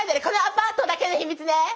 このアパートだけの秘密ね。